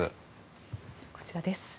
こちらです。